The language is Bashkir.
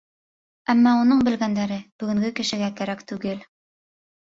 Әммә уның белгәндәре бөгөнгө кешегә кәрәк түгел.